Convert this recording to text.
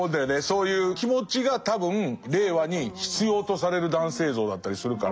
そういう気持ちが多分令和に必要とされる男性像だったりするから。